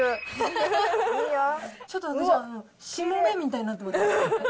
ちょっとしもべみたいになってます。